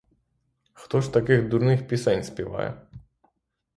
Хто ж таких дурних пісень співає?